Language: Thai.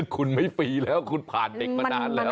คุณไม่ฟรีแล้วคุณผ่านเด็กมานานแล้ว